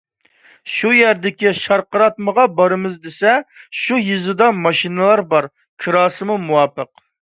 شۇ يەردىكى شارقىراتمىغا بارىمىز دېسە، شۇ يېزىدا ماشىنىلار بار، كىراسى مۇۋاپىق.